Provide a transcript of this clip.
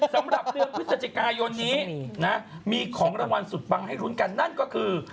สำหรับเดือนพฤศจิกายนนี้นะมีของรางวัลสุดปังให้ลุ้นกันนั่นก็คือ